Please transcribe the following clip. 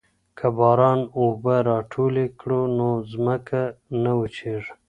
که باران اوبه راټولې کړو نو ځمکه نه وچیږي.